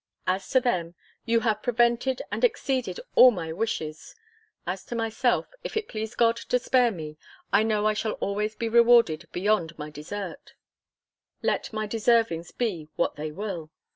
As to them, you have prevented and exceeded all my wishes: as to myself, if it please God to spare me, I know I shall always be rewarded beyond my desert, let my deservings be what they will.